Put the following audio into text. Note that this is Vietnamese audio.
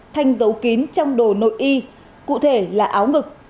thanh dấu kín trong đồ nội y cụ thể là áo ngực